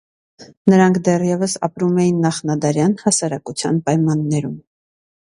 Նրանք դեռևս ապրում էին նախնադարյան հասարակության պայմաններում։